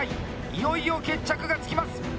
いよいよ決着がつきます！